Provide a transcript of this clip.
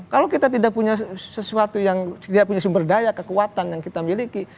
kalau kita tidak punya sesuatu yang tidak punya sumber daya kekuatan yang kita miliki